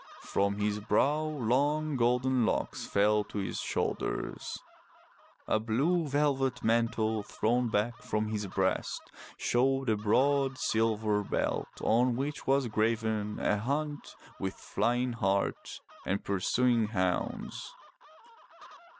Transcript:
From his brow long golden locks fell to his shoulders. 352 FROM THE TOWER WINDOW A blue velvet mantle thrown back from his breast showed a broad silver belt on which was graven a hunt with flying hart and pur suing hounds.